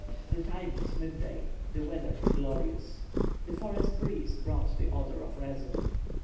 The time was midday; the weather glorious. The forest breeze brought the odor of resin.